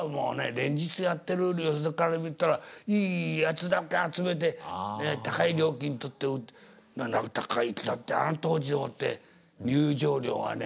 連日やってる寄席から見たらいいやつだけ集めて高い料金取って高いったってあの当時でもって入場料がね